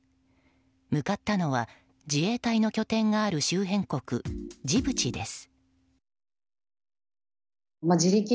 向かったのは自衛隊の拠点がある周辺国ジブチです。